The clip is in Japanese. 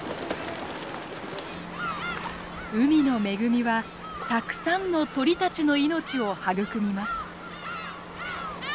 海の恵みはたくさんの鳥たちの命を育みます。